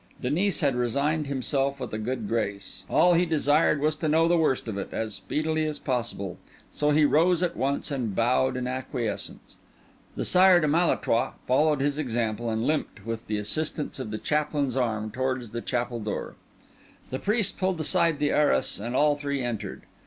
Denis had resigned himself with a good grace—all he desired was to know the worst of it as speedily as possible; so he rose at once, and bowed in acquiescence. The Sire de Malétroit followed his example and limped, with the assistance of the chaplain's arm, towards the chapel door. The priest pulled aside the arras, and all three entered.